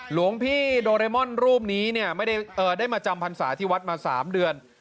หลวงพี่โดเรมอนรูปนี้เนี่ยไม่ได้มาจำพรรษาที่วัดมา๓เดือน